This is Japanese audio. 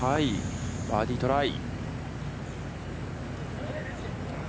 バーディートライ。